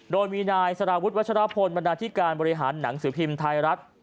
โดยมีนายสารวุฒิวัชรพลบรรณาธิการบริหารหนังสือพิมพ์ไทยรัฐ